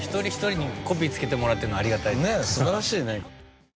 素晴らしいね。